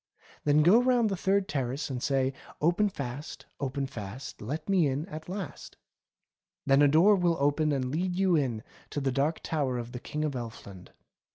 Then go round the third terrace and say : 'Open fast, open fast. Let me in at last.' Then a door will open and let you in to the Dark Tower of the King of Elfland.